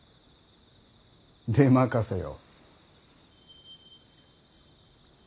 出任せよ。